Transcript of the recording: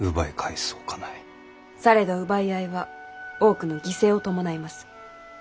されど奪い合いは多くの犠牲を伴います。